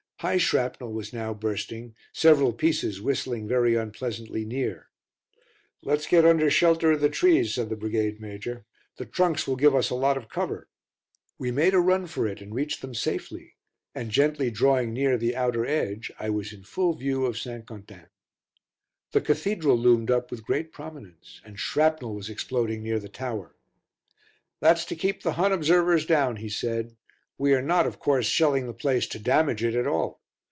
High shrapnel was now bursting, several pieces whistling very unpleasantly near. "Let's get under shelter of the trees," said the Brigade Major, "the trunks will give us a lot of cover." We made a run for it, and reached them safely, and, gently drawing near the outer edge, I was in full view of St. Quentin. The Cathedral loomed up with great prominence and shrapnel was exploding near the tower. "That's to keep the Hun observers down," he said. "We are not, of course, shelling the place to damage it at all.